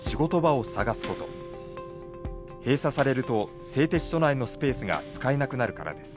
閉鎖されると製鉄所内のスペースが使えなくなるからです。